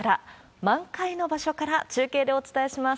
満開の場所から中継でお伝えします。